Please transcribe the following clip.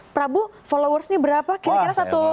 prabu followersnya berapa kira kira satu